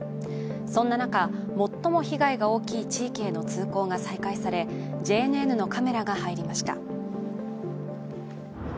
そんな中、最も被害が大きい地域への通行が再開され、ＪＮＮのカメラが入りました。